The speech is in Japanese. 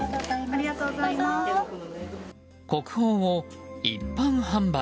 国宝を一般販売。